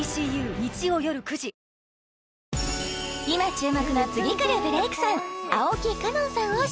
今注目の次くるブレイクさん